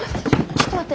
ちょっと待って。